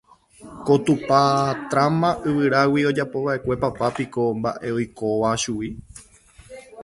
ku tupa tráma yvíragui ojapova'ekue papá piko mba'e oikóva chugui.